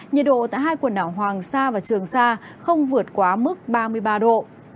nhiệt độ tại hai quần đảo hoàng sa và trường sa không vượt quá mức ba mươi ba độ